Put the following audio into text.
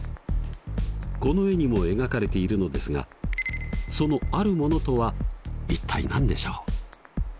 この絵にも描かれているのですがその「あるもの」とは一体何でしょう？